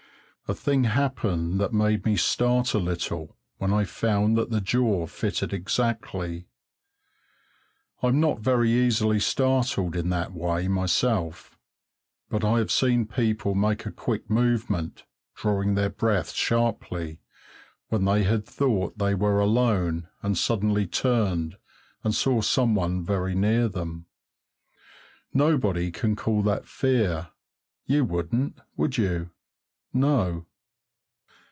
A thing happened that made me start a little when I found that the jaw fitted exactly. I'm not very easily startled in that way myself, but I have seen people make a quick movement, drawing their breath sharply, when they had thought they were alone and suddenly turned and saw some one very near them. Nobody can call that fear. You wouldn't, would you? No.